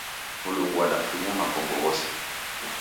Mlungu wadafunya makongo ghose.